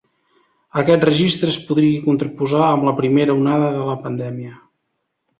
Aquest registre es podria contraposar amb la primera onada de la pandèmia.